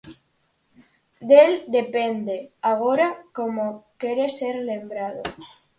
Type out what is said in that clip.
Del depende agora como quere ser lembrado.